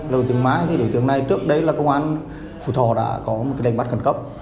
lâu tiếng mái thì đối tượng này trước đấy là công an phụ thò đã có một cái đánh bắt cần cấp